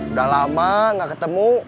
udah lama gak ketemu